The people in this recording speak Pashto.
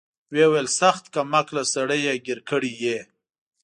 ويې ويل سخت کم عقله سړى يې ګير کړى يې.